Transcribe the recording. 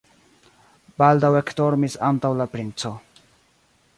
Baldaŭ ekdormis ankaŭ la princo.